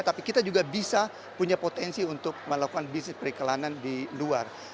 tapi kita juga bisa punya potensi untuk melakukan bisnis periklanan di luar